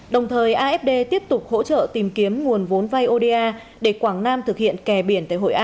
đồng thời afd tiếp tục hỗ trợ tìm kiếm nguồn vốn vai ônit